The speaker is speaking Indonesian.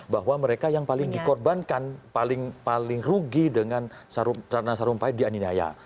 bahwa mereka yang paling dikorbankan paling rugi dengan ratna sarumpahit dianiaya